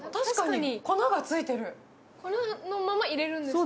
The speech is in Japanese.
粉のまま入れるんですか？